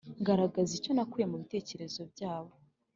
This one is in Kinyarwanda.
ngaragaza icyo nakuye mu bitekerezo byabo.